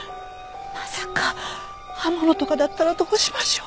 まさか刃物とかだったらどうしましょう。